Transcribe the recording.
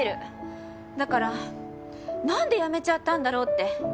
だからなんでやめちゃったんだろうって。